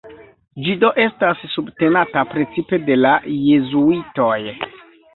Ĝi do estas subtenata precipe de la Jezuitoj.